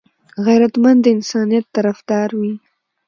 غیرتمند د انسانيت طرفدار وي